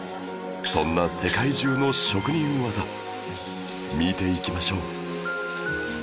そんな世界中の職人技見ていきましょう